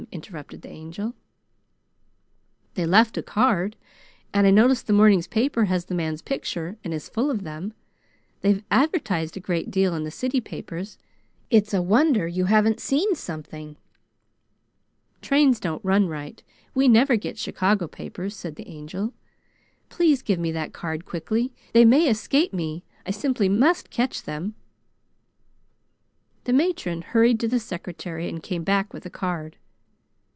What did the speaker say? interrupted the Angel. "They left a card, and I notice the morning paper has the man's picture and is full of them. They've advertised a great deal in the city papers. It's a wonder you haven't seen something." "Trains don't run right. We never get Chicago papers," said the Angel. "Please give me that card quickly. They may escape me. I simply must catch them!" The matron hurried to the secretary and came back with a card.